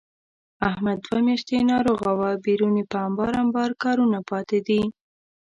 احمد دوه میاشتې ناروغه و، بېرون یې په امبار امبار کارونه پاتې دي.